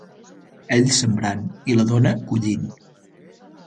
Ell sembrant i la dona cullin